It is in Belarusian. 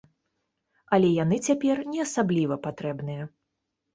Але яны цяпер не асабліва патрэбныя.